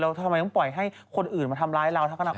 เราทำไมต้องปล่อยให้คนอื่นมาทำร้ายเรา